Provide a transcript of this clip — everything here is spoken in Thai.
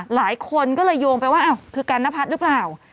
หลายคนก็เลยโยงไปว่าอ้าวคือกันนพัฒน์หรือเปล่า